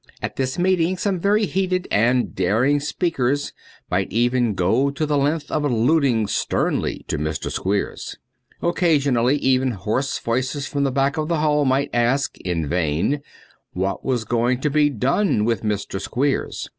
At this meeting some very heated and daring speakers might even go the length of alluding sternly to Mr. Squeers. Occasionally even hoarse voices from the back of the hall might ask (in vain) what was going to be done with Mr. Squeers.